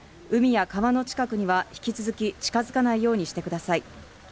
海や川の近くには、引き続き近づかないようにしてください。